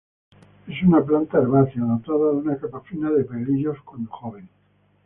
Es una planta herbácea dotada de una capa fina de pelillos, cuando joven.